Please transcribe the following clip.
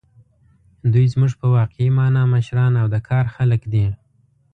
دوی زموږ په واقعي مانا مشران او د کار خلک دي.